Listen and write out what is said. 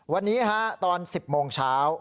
วันนี้ตอน๑๐โมงเช้า